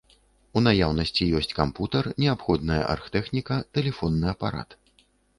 У наяўнасці ёсць кампутар, неабходная аргтэхніка, тэлефонны апарат.